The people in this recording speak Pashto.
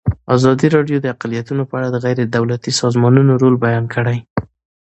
ازادي راډیو د اقلیتونه په اړه د غیر دولتي سازمانونو رول بیان کړی.